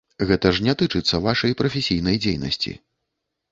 Гэта ж не тычыцца вашай прафесійнай дзейнасці.